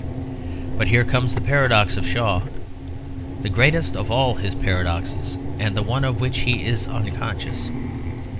But here comes the paradox of Shaw; the greatest of all his paradoxes and the one of which he is unconscious.